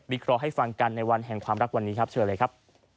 เคราะห์ให้ฟังกันในวันแห่งความรักวันนี้ครับเชิญเลยครับ